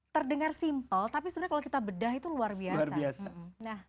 terdengar simpel tapi sebenarnya kalau kita bedah itu luar biasa